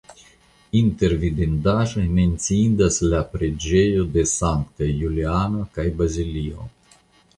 Inter vidindaĵoj menciindas la preĝejo de Sanktaj Juliano kaj Bazilizo.